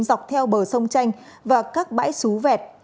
dọc theo bờ sông chanh và các bãi xú vẹt